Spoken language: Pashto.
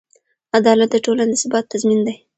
عدالت د ټولنې د ثبات تضمین دی.